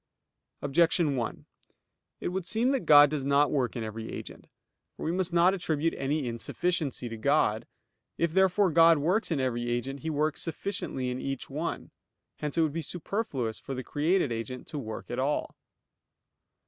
Objection 1: It would seem that God does not work in every agent. For we must not attribute any insufficiency to God. If therefore God works in every agent, He works sufficiently in each one. Hence it would be superfluous for the created agent to work at all.